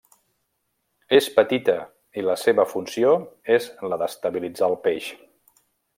És petita i la seva funció és la d'estabilitzar al peix.